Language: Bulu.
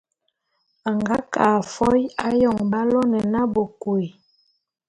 A nga ke a fôé ayon b'aloene na Bekôé.